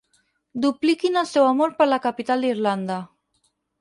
Dupliquin el seu amor per la capital d'Irlanda.